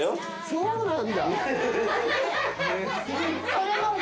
そうなんだ。